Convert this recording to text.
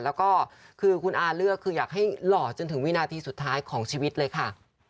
แล้วก็คือคุณอาเลือกคืออยากให้หล่อจนถึงวินาทีสุดท้ายของชีวิตเลยค่ะ